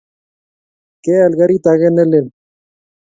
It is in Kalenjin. Keal karit ake ne lel.